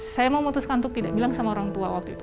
saya memutuskan untuk tidak bilang sama orang tua waktu itu